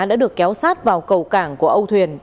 đã được kéo sát vào cầu cảng của âu thuyền